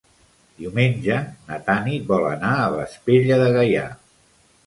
Diumenge na Tanit vol anar a Vespella de Gaià.